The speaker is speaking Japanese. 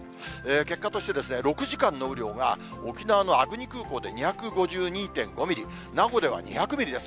結果として６時間の雨量が沖縄の粟国空港で２５２．５ミリ、名護では２００ミリです。